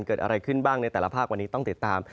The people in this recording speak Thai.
เกิดอะไรขึ้นบ้างในแต่ละภาควันนี้ต้องติดตาม